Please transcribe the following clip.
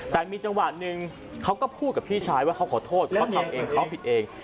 แต่มีจังหวะหนึ่งเขาก็พูดกับพี่ชายว่าเขาขอโทษเขาทำเองเขาผิดเอง